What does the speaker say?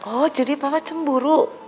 oh jadi papa cemburu